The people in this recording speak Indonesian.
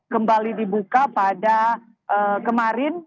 kembali dibuka pada kemarin